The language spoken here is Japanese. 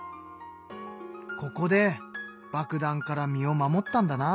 ここで爆弾から身を守ったんだな。